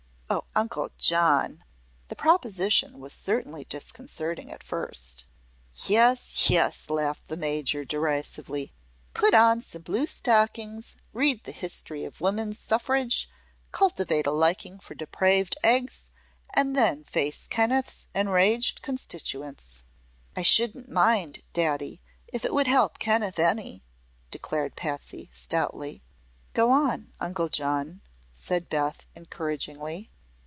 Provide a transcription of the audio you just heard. "Oh, Uncle John!" The proposition was certainly disconcerting at first. "Yes, yes!" laughed the Major, derisively. "Put on some blue stockings, read the history of woman's suffrage, cultivate a liking for depraved eggs, and then face Kenneth's enraged constituents!" "I shouldn't mind, daddy, if it would help Kenneth any," declared Patsy, stoutly. "Go on, Uncle John," said Beth, encouragingly.